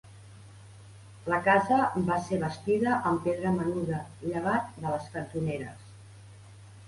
La casa va ser bastida amb pedra menuda, llevat de les cantoneres.